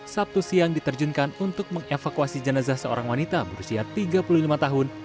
sabtu siang diterjunkan untuk mengevakuasi jenazah seorang wanita berusia tiga puluh lima tahun